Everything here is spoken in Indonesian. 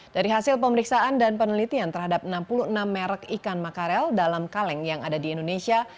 dari hasil pemeriksaan dan penelitian terhadap enam puluh enam merek ikan makarel dalam kaleng yang ada di indonesia